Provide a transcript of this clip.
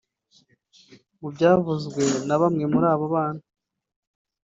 Mu byavuzwe na bamwe muri abo bana